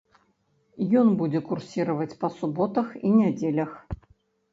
Ён будзе курсіраваць па суботах і нядзелях.